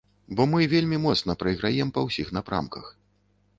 Бо мы вельмі моцна прайграем па ўсіх напрамках.